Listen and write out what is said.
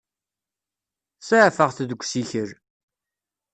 Saɛfeɣ-t deg usikel.